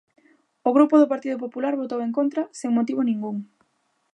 O Grupo do Partido Popular votou en contra sen motivo ningún.